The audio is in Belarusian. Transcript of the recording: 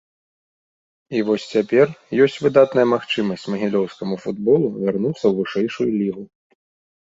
І вось цяпер ёсць выдатная магчымасць магілёўскаму футболу вярнуцца ў вышэйшую лігу.